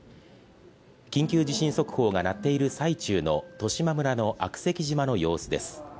緊急地震速報が鳴っている最中の十島村の悪石島の様子です。